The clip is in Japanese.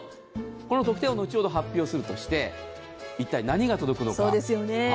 この特典を後ほど発表するとしていったい何が届くのか。